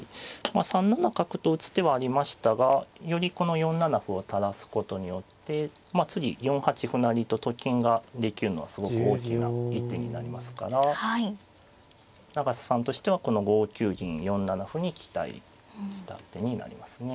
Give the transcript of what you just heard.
まあ３七角と打つ手はありましたがよりこの４七歩を垂らすことによってまあ次４八歩成とと金が出来るのはすごく大きな一手になりますから永瀬さんとしてはこの５九銀４七歩に期待した手になりますね。